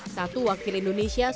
satu wakil indonesia sudah menang